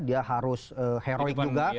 dia harus heroik juga